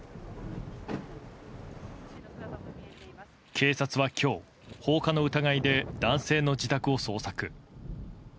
警察は今日、放火の疑いで男性の自宅を捜索。